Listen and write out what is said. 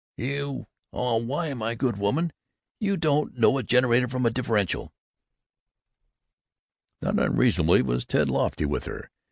"You why, my good woman, you don't know a generator from a differential." Not unreasonably was Ted lofty with her.